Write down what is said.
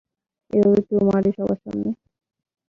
এভাবে কেউ মারে, সবার সামনে?